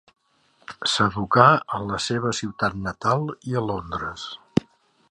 S'educà en la seva ciutat natal i a Londres.